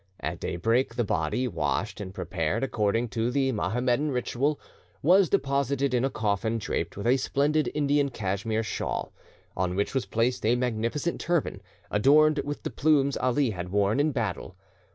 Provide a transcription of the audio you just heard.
At daybreak, the body, washed and prepared according to the Mohammedan ritual, was deposited in a coffin draped with a splendid Indian Cashmere shawl, on which was placed a magnificent turban, adorned with the plumes Ali had worn in battle.